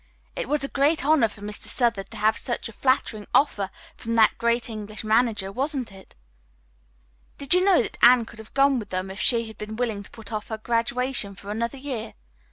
"It was a great honor for Mr. Southard to have such a flattering offer from that great English manager, wasn't it?" "Did you know that Anne could have gone with them if she had been willing to put off her graduation for another year?"